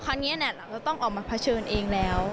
คราวนี้เราต้องออกมาเผชิญเองแล้ว